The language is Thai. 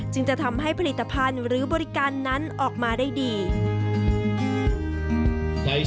จึงจะทำให้ผลิตภัณฑ์หรือบริการนั้นออกมาได้ดี